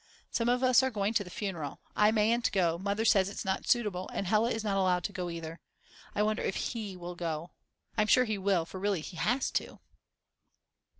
Some of us are going to the funeral, I mayn't go, Mother says it is not suitable, and Hella is not allowed to go either, I wonder if He will go? I'm sure he will, for really he has to.